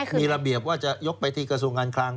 มีระเบียบว่าจะยกไปที่กระทรวงการคลัง